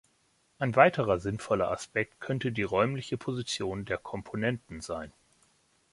Ein weiterer sinnvoller Aspekt könnte die räumliche Position der Komponenten sein.